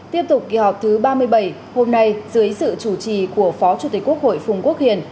tiếp tục kỳ họp thứ ba mươi bảy hôm nay dưới sự chủ trì của phó chủ tịch quốc hội phùng quốc hiền